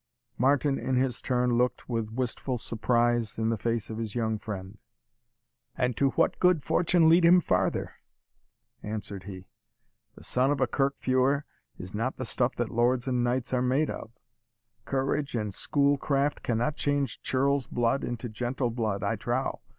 Martin, in his turn, looked with wistful surprise in the face of his young friend. "And to what could fortune lead him farther?" answered he. "The son of a kirk feuar is not the stuff that lords and knights are made of. Courage and school craft cannot change churl's blood into gentle blood, I trow.